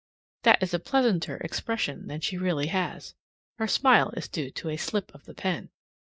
That is a pleasanter expression than she really has. Her smile is due to a slip of the pen.